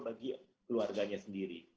bagi keluarganya sendiri